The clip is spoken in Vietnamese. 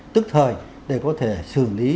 tức thời để có thể xử lý